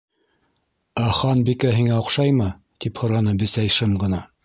— Ә Ханбикә һиңә оҡшаймы? — тип һораны Бесәй шым ғына.